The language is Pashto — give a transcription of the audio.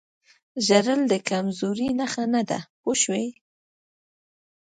ژړل د کمزورۍ نښه نه ده پوه شوې!.